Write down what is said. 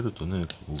ここが。